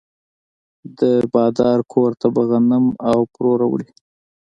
د بادار کور ته به غنم او پروړه وړي.